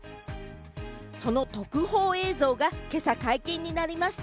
その特報映像が今朝、解禁になりました。